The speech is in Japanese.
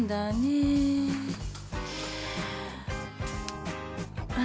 ああ。